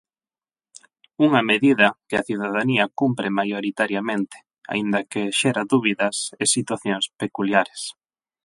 Unha medida que a cidadanía cumpre maioritariamente, aínda que xera dúbidas e situacións peculiares.